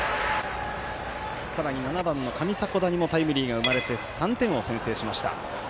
さらに７番の上迫田にもタイムリーが生まれて３点を先制しました。